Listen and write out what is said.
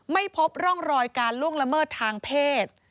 ไม่พบร่องรอยการล่วงละเมิดทางเพศ